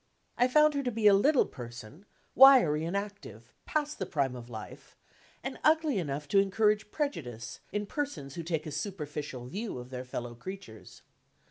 I found her to be a little person, wiry and active; past the prime of life, and ugly enough to encourage prejudice, in persons who take a superficial view of their fellow creatures.